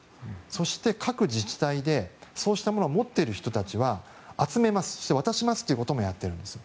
そして、各自治体でそうしたものを持っている人たちは集めます、そして渡しますということもやっているんです。